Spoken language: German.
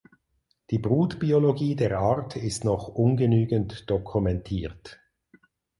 Die Brutbiologie der Art ist noch ungenügend dokumentiert.